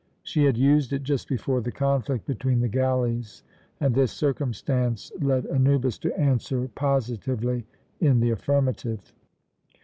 She had used it just before the conflict between the galleys, and this circumstance led Anubis to answer positively in the affirmative.